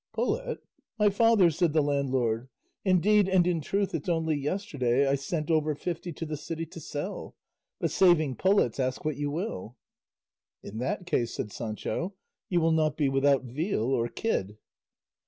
"Pullet! My father!" said the landlord; "indeed and in truth it's only yesterday I sent over fifty to the city to sell; but saving pullets ask what you will." "In that case," said Sancho, "you will not be without veal or kid."